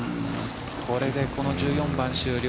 これでこの１４番終了。